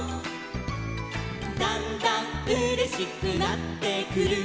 「だんだんうれしくなってくる」